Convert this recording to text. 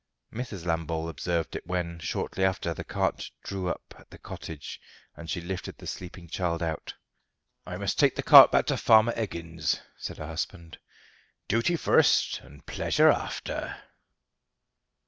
Mrs. Lambole observed it when, shortly after, the cart drew up at the cottage and she lifted the sleeping child out. "I must take the cart back to Farmer Eggins," said her husband; "duty fust, and pleasure after."